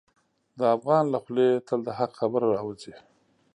د افغان له خولې تل د حق خبره راوځي.